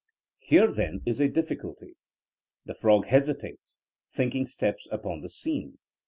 Here, then, is a diflBculty. The frog hesitates; thinking steps upon the scene.